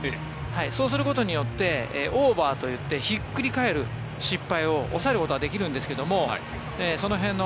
そうすることによってオーバーといってひっくり返る失敗を抑えることができるんですけどその辺の。